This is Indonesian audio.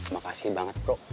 makasih banget bro